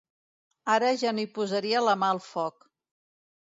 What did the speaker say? Ara ja no hi posaria la mà al foc.